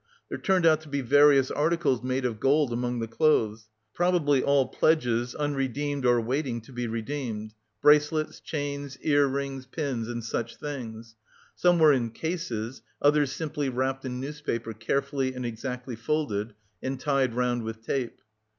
There turned out to be various articles made of gold among the clothes probably all pledges, unredeemed or waiting to be redeemed bracelets, chains, ear rings, pins and such things. Some were in cases, others simply wrapped in newspaper, carefully and exactly folded, and tied round with tape.